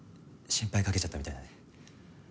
心配かけちゃったみたいだね。